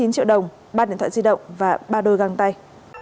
bốn mươi chín triệu đồng ba điện thoại di động và ba đôi găng tay